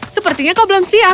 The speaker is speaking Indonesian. sepertinya kau belum siap